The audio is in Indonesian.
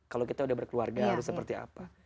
kalau kita udah berkeluarga harus seperti apa